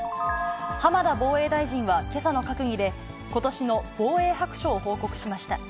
浜田防衛大臣はけさの閣議で、ことしの防衛白書を報告しました。